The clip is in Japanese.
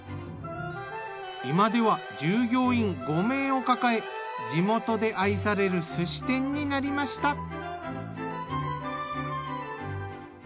今では従業員５名を抱え地元で愛される寿司店になりました。